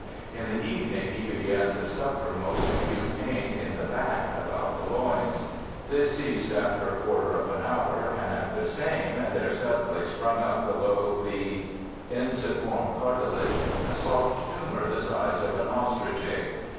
In the evening he began to suffer most acute pain in the back about the loins. This ceased after a quarter of an hour, and at the same there suddenly sprung up below the ensi form cartilage a soft tumour the size of an ostrich egg.